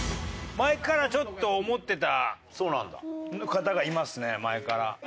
前からちょっと思ってた方がいますね前から。